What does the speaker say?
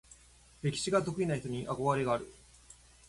歴史が得意な人に憧れがある。